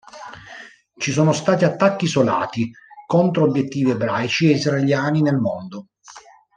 Ci sono stati attacchi isolati contro obiettivi ebraici e israeliani nel mondo.